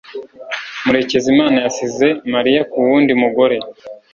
Murekezimana yasize Mariya ku wundi mugore.